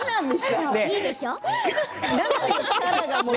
いいでしょう？